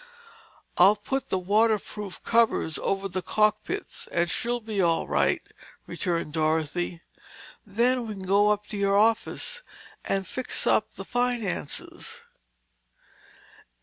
"I'll pull the waterproof covers over the cockpits and she'll be all right," returned Dorothy. "Then we can go up to your office and fix up the finances."